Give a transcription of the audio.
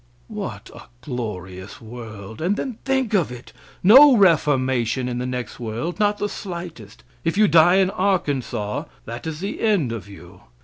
What a glorious world; and then think of it! No reformation in the next world not the slightest. If you die in Arkansas that is the end of you.